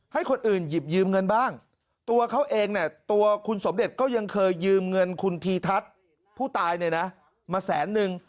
ให้คนอื่นหยิบยืมเงินบ้างตัวเขาเองเนี่ยตัวคุณสมเด็จก็ยังเคยยืมเงินคุณธีทัศน์ผู้ตายเนี่ยนะมาแสนนึง